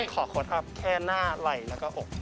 ขอโคตรครับแค่หน้าไหล่แล้วก็อก